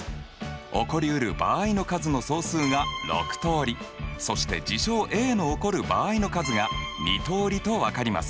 起こりうる場合の数の総数が６通りそして事象Ａの起こる場合の数が２通りと分かります。